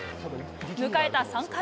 迎えた３回。